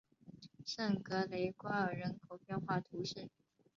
圣格雷瓜尔人口变化图示